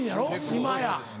今や。